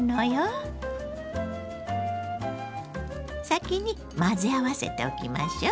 先に混ぜ合わせておきましょ。